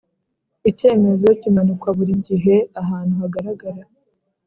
Icyemezo kimanikwa buri gihe ahantu hagaraga